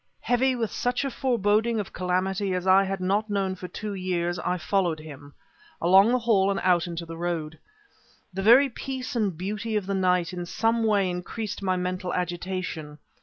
Heavy with such a foreboding of calamity as I had not known for two years, I followed him along the hall and out into the road. The very peace and beauty of the night in some way increased my mental agitation.